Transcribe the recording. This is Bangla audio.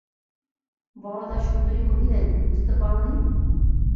বরদাসুন্দরী কহিলেন, বুঝতে পার নি!